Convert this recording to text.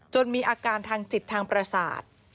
มีอาการทางจิตทางประสาท